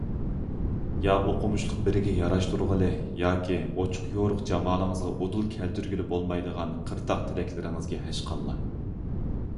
يا ئوقۇمۇشلۇق بىرىگە ياراشتۇرغىلى ياكى ئوچۇق - يورۇق جامالىڭىزغا ئۇدۇل كەلتۈرگىلى بولمايدىغان قىرتاق تىلەكلىرىڭىزگە ھەشقاللا!